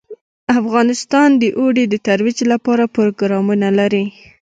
افغانستان د اوړي د ترویج لپاره پروګرامونه لري.